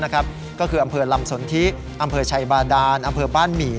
ก็คืออำเภอลำสนทิอำเภอชัยบาดานอำเภอบ้านหมี่